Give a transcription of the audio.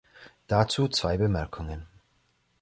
Dazu zwei Bemerkungen.